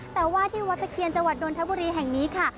แต่ว่าที่วัดตะเคียนจังหวัดนทบุรีแห่งนี้ค่ะ